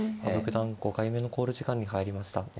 羽生九段５回目の考慮時間に入りました。